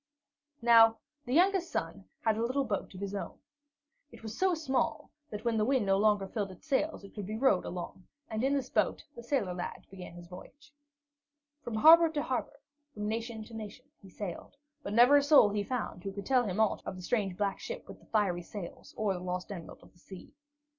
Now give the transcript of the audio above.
Now the youngest son had a little boat of his own. It was so small that, when the wind no longer filled its sails, it could be rowed along, and in this boat the sailor lad began his voyage. From harbor to harbor, from nation to nation, he sailed, but never a soul he found who could tell him aught of the strange black ship with the fiery sails or the lost Emerald of the Sea.